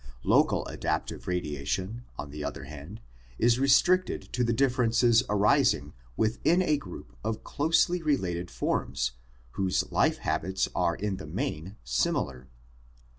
Local adaptive radiation, on the other hand, is restricted to the differences arising within a group of closely related forms whose life habits are in the main similar.